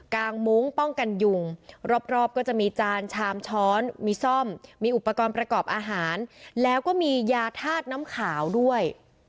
งมุ้งป้องกันยุงรอบก็จะมีจานชามช้อนมีซ่อมมีอุปกรณ์ประกอบอาหารแล้วก็มียาธาตุน้ำขาวด้วย